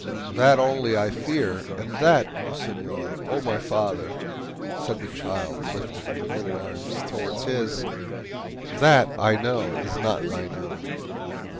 That only I fear and that, O senor, O my father," said the child, lifting her little arms towards his "that I know is not thine own!"